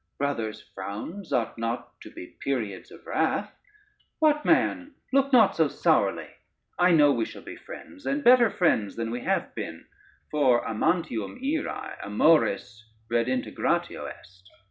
Brothers' frowns ought not to be periods of wrath: what, man, look not so sourly; I know we shall be friends, and better friends than we have been, for, Amantium ira amoris redintegratio est."